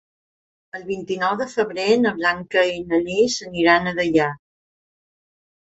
El vint-i-nou de febrer na Blanca i na Lis aniran a Deià.